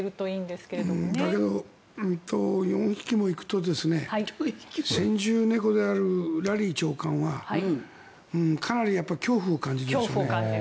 だけど、４匹も行くと先住猫であるラリー長官はかなり恐怖を感じるでしょうね。